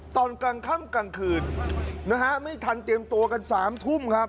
ตอนกลางค่ำกลางคืนนะฮะไม่ทันเตรียมตัวกัน๓ทุ่มครับ